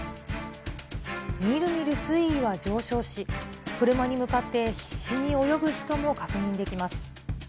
みるみる水位は上昇し、車に向かって必死に泳ぐ人も確認できます。